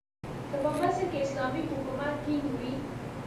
که په مصر کې اسلامي حکومت ټینګ وي.